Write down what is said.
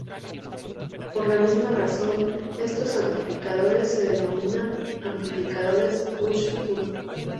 Por la misma razón, estos amplificadores se denominan amplificadores "push-pull".